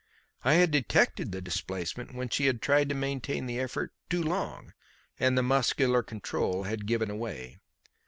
I had detected the displacement when she had tried to maintain the effort too long, and the muscular control had given way.